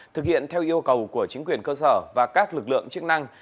thực hiện theo yêu cầu của chính quyền cơ sở và các lực lượng chức năng